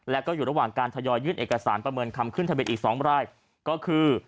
แล้วก็อยู่ระหว่างการทยอยยื่นเอกสารประเมินคำขึ้นทะเบียนอีก๒รายก็คือ